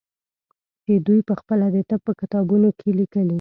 چې دوى پخپله د طب په کتابونو کښې ليکلي.